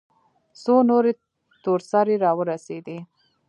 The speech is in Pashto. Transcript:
څو نورې تور سرې راورسېدې.